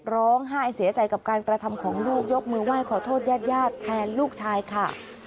ร้องไห้เสียใจกับการกระทำของลูกยกมือไหว้ขอโทษญาติญาติแทนลูกชายค่ะ